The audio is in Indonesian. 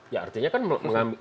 ya artinya kan mengambil itu kan